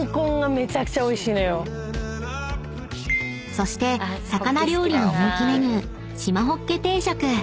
［そして魚料理の人気メニュー］